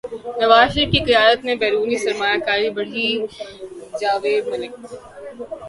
نواز شریف کی قیادت میں بیرونی سرمایہ کاری بڑھی جاوید ملک